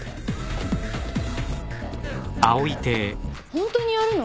ホントにやるの？